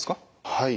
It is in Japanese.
はい。